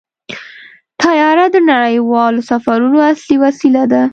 طیاره د نړیوالو سفرونو اصلي وسیله ده.